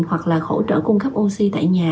hoặc là hỗ trợ cung cấp oc tại nhà